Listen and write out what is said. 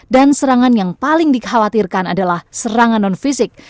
dan serangan yang paling dikhawatirkan adalah serangan non fisik